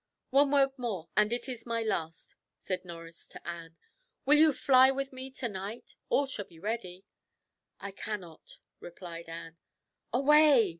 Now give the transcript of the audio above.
"One word more, and it is my last," said Norris to Anne. "Will you fly with me to night? all shall be ready." "I cannot," replied Anne. "Away!"